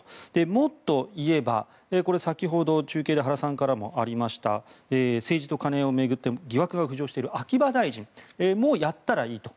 もっと言えばこれ、先ほど中継で原さんからもありました政治と金を巡って疑惑が浮上している秋葉大臣もやったらいいと。